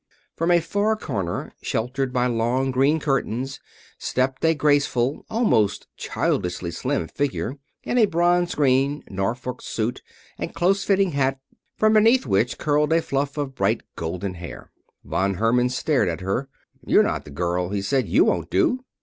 From a far corner, sheltered by long green curtains, stepped a graceful almost childishly slim figure in a bronze green Norfolk suit and close fitting hat from beneath which curled a fluff of bright golden hair. Von Herman stared at her. "You're not the girl," he said. "You won't do."